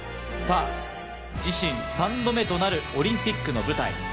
自身３度目となるオリンピックの舞台。